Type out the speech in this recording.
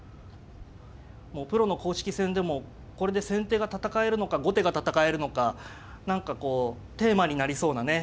もうプロの公式戦でもこれで先手が戦えるのか後手が戦えるのか何かこうテーマになりそうなね